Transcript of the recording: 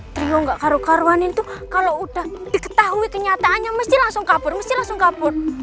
trio gak karu karuanin tuh kalo udah diketahui kenyataannya mesti langsung kabur mesti langsung kabur